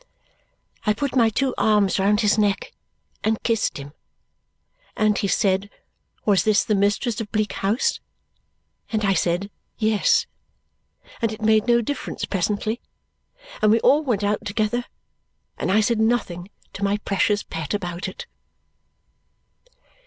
I put my two arms round his neck and kissed him, and he said was this the mistress of Bleak House, and I said yes; and it made no difference presently, and we all went out together, and I said nothing to my precious pet about it.